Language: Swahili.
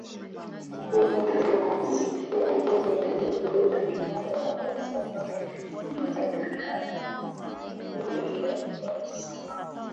wengi wanasikia neno hilo vibaya kwa sababu vita vitakatifu vya Waislamu